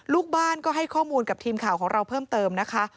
ลูกบ้านก็ให้ข้อมูลกับทีมข่าวของเราเพิ่มเติมนะคะ